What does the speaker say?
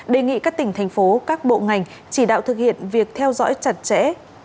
đề nghị các tỉnh thành phố các bộ ngành chỉ đạo thực hiện việc theo dõi chặt chẽ